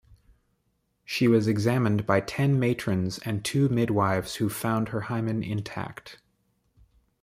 She was examined by ten matrons and two midwives who found her hymen intact.